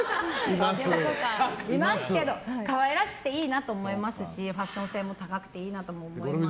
いますけど可愛らしくていいなと思いますしファッション性も高くていいなと思います。